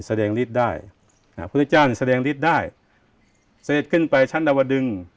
แสดงฤทธิ์ได้อ่าพระพุทธเจ้าแสดงฤทธิ์ได้เสร็จขึ้นไปชั้นดาวดึง